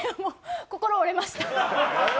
心折れました。